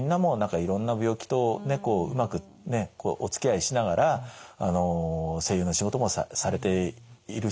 いろんな病気とねうまくねおつきあいしながら声優の仕事もされているし。